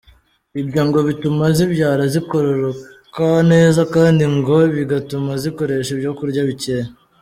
Ibyo ngo bituma zibyara zikororoka neza kandi ngo bigatuma zikoresha ibyo kurya bikeya.